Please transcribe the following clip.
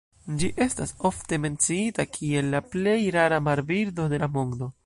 Ĝi estas ofte menciita kiel la plej rara marbirdo de la mondo.